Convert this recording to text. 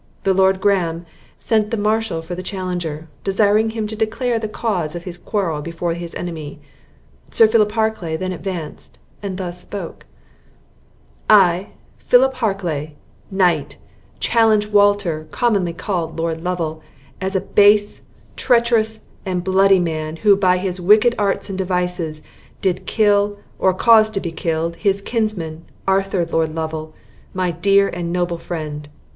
The Lord Graham sent the marshal for the challenger, desiring him to declare the cause of his quarrel before his enemy. Sir Philip Harclay then advanced, and thus spoke: "I, Philip Harclay, knight, challenge Walter, commonly called Lord Lovel, as a base, treacherous, and bloody man, who, by his wicked arts and devices, did kill, or cause to be killed, his kinsman, Arthur Lord Lovel, my dear and noble friend.